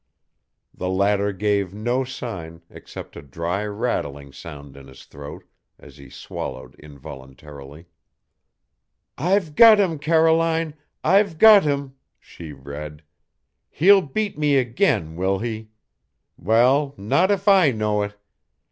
The latter gave no sign except a dry rattling sound in his throat as he swallowed involuntarily. "I've got him, Caroline I've got him!" she read. "He'll beat me again, will he? Well, not if I know it!